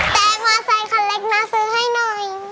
แต่มอไซคันเล็กนะซื้อให้หน่อย